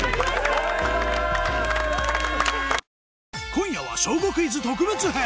今夜は『小５クイズ』特別編！